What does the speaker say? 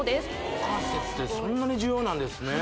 股関節ってそんなに重要なんですね